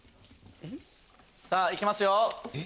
さぁいきますよ！